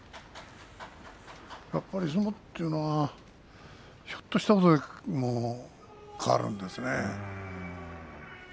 やっぱり相撲というのはちょっとしたことで変わるんですね。